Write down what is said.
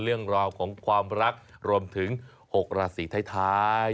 เรื่องราวของความรักรวมถึง๖ราศีท้าย